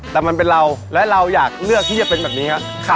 แต่มันเป็นเราและเราอยากเลือกที่จะเป็นแบบนี้ครับ